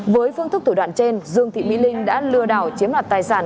với phương thức thủ đoạn trên dương thị mỹ linh đã lừa đảo chiếm đoạt tài sản